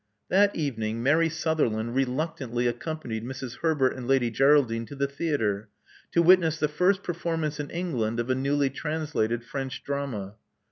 That evening Mary Sutherland reluctantly accom panied Mrs. Herbert and Lady Geraldine to the theatre, to witness the first performance in England of a newly translated French drama.